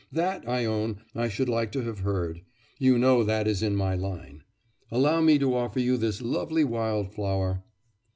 That, I own, I should like to have heard; you know that is in my line. Allow me to offer you this lovely wild flower.